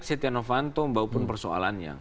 stiano vanto maupun persoalan yang